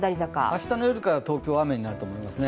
明日の夜から東京は雨になると思います。